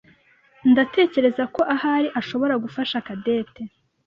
Ndatekereza ko ahari ashobora gufasha Cadette.